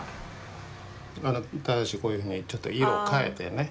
ただしこういうふうにちょっと色変えてね。